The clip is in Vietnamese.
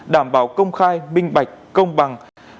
đảm bảo công khai minh bạch công bằng